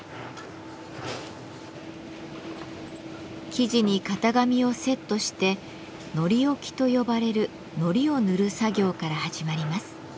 生地に型紙をセットして「糊おき」と呼ばれる糊を塗る作業から始まります。